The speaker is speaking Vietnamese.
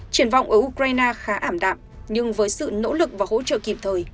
triển vọng ở ukraine khá ảm đạm nhưng với sự nỗ lực và hỗ trợ kịp thời